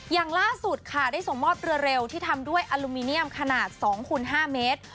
อย่างล่าสุดค่ะได้ส่งมอบเรือเร็วที่ทำด้วยอลูมิเนียมขนาด๒คูณ๕เมตร